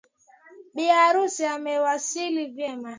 Bi arusi amewasili vyema.